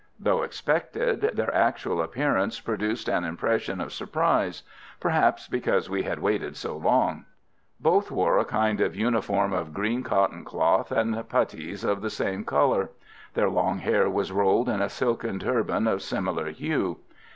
Though expected, their actual appearance produced an impression of surprise; perhaps because we had waited so long. Both wore a kind of uniform of green cotton cloth, and putties of the same colour. Their long hair was rolled in a silken turban of similar hue.